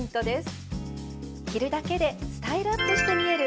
着るだけでスタイルアップして見える